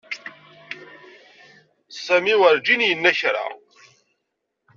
Sami werǧin yenna kra.